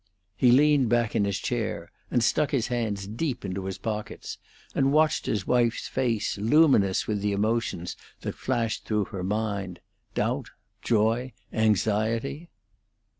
He leaned back in his chair, and stuck his hands deep into his pockets, and watched his wife's face, luminous with the emotions that flashed through her mind doubt, joy, anxiety.